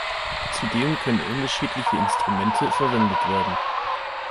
Zudem können unterschiedliche Instrumente verwendet werden.